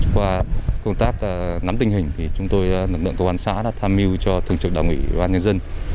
qua công tác nắm tình hình chúng tôi lực lượng cơ quan xã đã tham mưu cho thương trực đồng ủy ban nhân dân